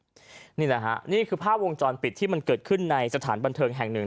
นี่แหละฮะนี่คือภาพวงจรปิดที่มันเกิดขึ้นในสถานบันเทิงแห่งหนึ่ง